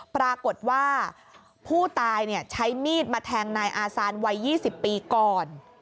ปรากฏว่าผู้ตายใช้มีดมาแทงนายอาซานวัย๒๐ปีก่อน